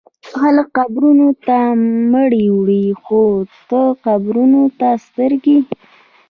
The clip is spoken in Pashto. خلک قبرو ته مړي وړي خو ته قبرونه سترګې